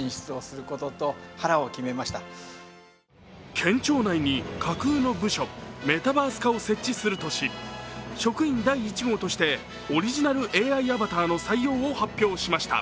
県庁内に架空の部署、メタバース課を設置するとし職員第１号としてオリジナルＡＩアバターの採用を発表しました。